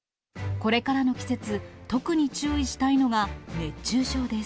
これからの季節、特に注意したいのが、熱中症です。